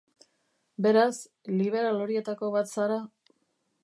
Beraz, liberal horietako bat zara?